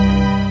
ini kagak ada